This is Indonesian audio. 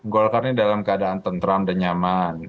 golkar ini dalam keadaan tentram dan nyaman